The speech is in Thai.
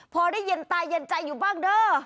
พอได้ยินตาเย็นใจอยู่บ้างเด้อ